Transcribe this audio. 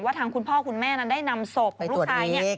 ว่าทางคุณพ่อคุณแม่นั้นได้นำศพของลูกชาย